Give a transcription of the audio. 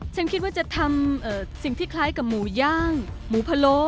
ฉันคิดว่าจะทำสิ่งที่คล้ายกับหมูย่างหมูพะโล้